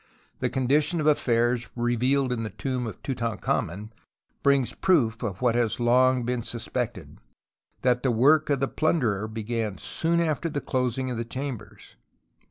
The condition of 78 TUTANKHAMEN affairs revealed in the tomb of Tutankhamen brings proof of what has long been suspeeted, that the work of the plunderer began soon after the closing of the chambers.